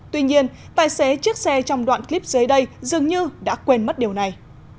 tuy nhiên tài xế chiếc xe trong đoạn clip dưới đây dường như đã quên mất điều này